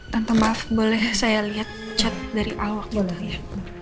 tante maaf boleh saya liat chat dari al waktu itu ya